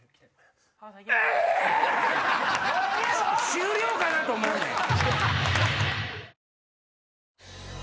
終了かなと思うねん。